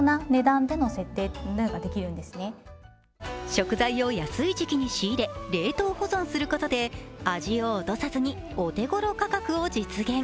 食材を安い時期に仕入れ、冷凍保存することで味を落とさずにお手ごろ価格を実現。